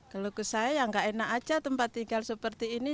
keluh kesah yang gak enak aja tempat tinggal seperti ini